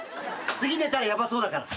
次寝たらヤバそうよね。